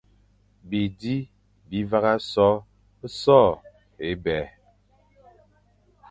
Bizi bi vagha so sô é bè,